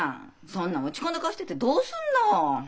そんな落ち込んだ顔しててどうすんの？